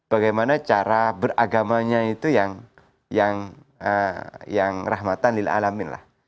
bagaimana cara beragamanya itu yang rahmatan lill'alamin